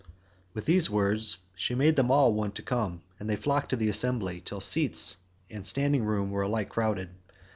With these words she made them all want to come, and they flocked to the assembly till seats and standing room were alike crowded.